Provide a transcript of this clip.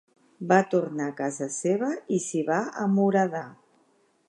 Va tornar a casa seva i s'hi va amuradar.